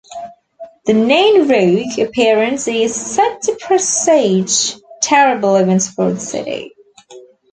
The Nain Rouge appearance is said to presage terrible events for the city.